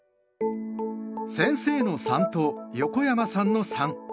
先生の「三」と横山さんの「三」。